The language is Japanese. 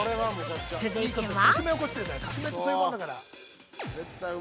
続いては！？